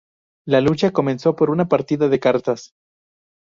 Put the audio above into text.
La lucha comenzó por una partida de cartas.